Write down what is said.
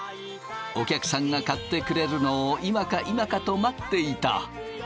お客さんが買ってくれるのを今か今かと待っていた。